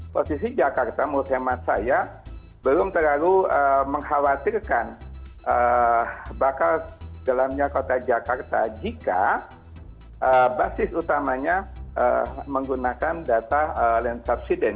di sisi jakarta menurut hemat saya belum terlalu mengkhawatirkan bakal jelamnya kota jakarta jika basis utamanya menggunakan data lensa obsiden